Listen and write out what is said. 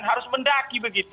harus mendaki begitu